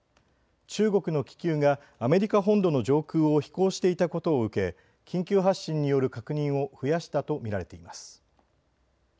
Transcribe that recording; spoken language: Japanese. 中国の気球がアメリカ本土の上空を飛行していたことを受け緊急発進による確認を増やしたと見られています。